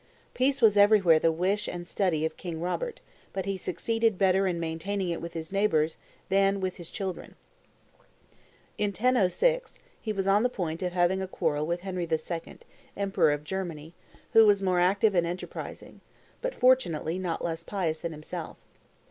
Peace was everywhere the wish and study of King Robert; but he succeeded better in maintaining it with his neighbors than with his children. In 1006, he was on the point of having a quarrel with Henry II., emperor of Germany, who was more active and enterprising, but fortunately not less pious, than himself.